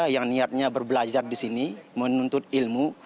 yang niatnya berbelajar di sini menuntut ilmu